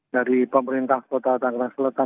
dari pemerintah kota tangerang selatan